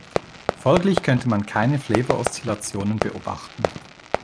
Folglich könnte man keine Flavor-Oszillationen beobachten.